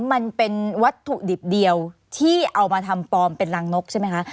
มันเป็นวัตถุดิบเดียวที่เอามาทำปลอมเป็นรังนกใช่ไหมคะ